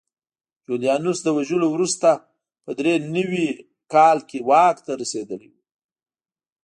جولیانوس له وژلو وروسته په درې نوي کال کې واک ته رسېدلی و